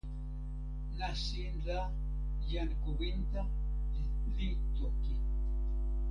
nasin la jan Kowinta li toki.